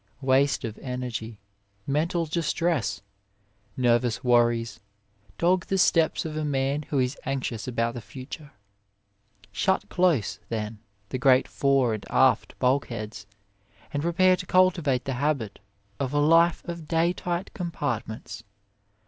Waste of energy, mental dis tress, nervous worries dog the steps of a man who is anxious about the future. Shut close, then, the great fore and aft bulk heads, and prepare to cultivate the habit of a life of Day Tight Compartments.